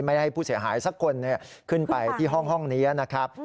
ให้ผู้เสียหายสักคนขึ้นไปที่ห้องนี้นะครับ